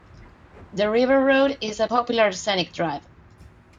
The River Road is a popular scenic drive.